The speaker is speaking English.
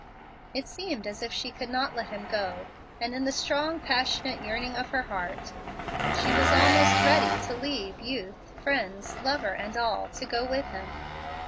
It seemed as if she could not let him go, and in the strong, passionate yearning of her heart, she was almost ready to leave youth, friends, lover, and all, to go with him.